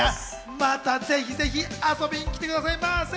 またぜひぜひ遊びに来てくださいませ。